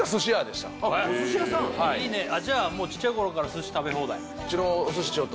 お寿司屋さんいいねじゃあもうちっちゃい頃から寿司食べ放題？